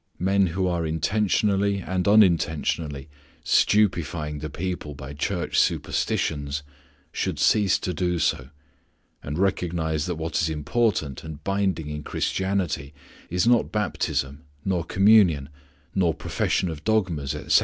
Men who are intentionally and unintentionally stupefying the people by church superstitions should cease to do so, and recognize that what is important and binding in Christianity is not baptism, nor Communion, nor profession of dogmas, etc.